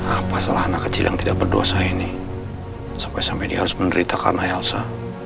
apa salah anak kecil yang tidak berdosa ini sampai sampai dia harus menderitakan alsa